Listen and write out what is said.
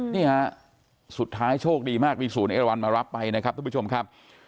นี่ฮะสุดท้ายโชคดีมากมีศูนย์เอราวันมารับไปนะครับทุกผู้ชมครับ